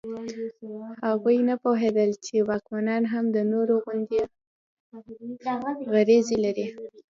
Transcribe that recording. هغوی نه پوهېدل چې واکمنان هم د نورو غوندې غریزې لري.